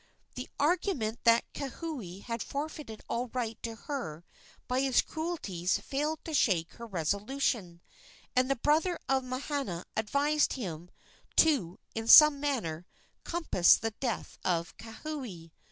The argument that Kauhi had forfeited all right to her by his cruelties failed to shake her resolution, and the brother of Mahana advised him to in some manner compass the death of Kauhi.